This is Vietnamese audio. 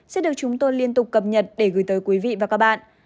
sẽ được chúng tôi liên tục cập nhật để gửi tới quý vị và các bạn